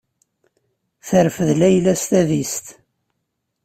Terfed Layla s tadist.